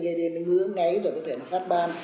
nó gây đến những ngưỡng ngáy và có thể phát ban